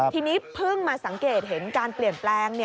ทีนี้เพิ่งมาสังเกตเห็นการเปลี่ยนแปลง